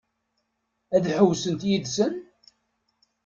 Ad ḥewwsent yid-sen?